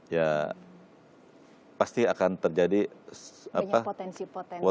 ya pasti akan terjadi potensinya sangat besar